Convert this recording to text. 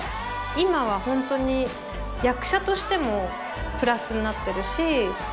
今はホントに役者としてもプラスになってるし。